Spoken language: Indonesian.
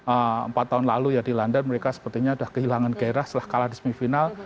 empat tahun lalu ya di london mereka sepertinya sudah kehilangan gairah setelah kalah di semifinal